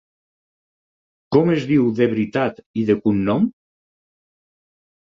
Com es diu de veritat, i de cognom?